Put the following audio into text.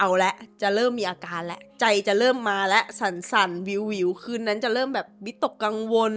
เอาแล้วจะเริ่มมีอาการแล้วใจจะเริ่มมาแล้วสั่นวิวคืนนั้นจะเริ่มแบบวิตกกังวล